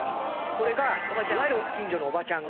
これがいわゆる近所のおばちゃんが。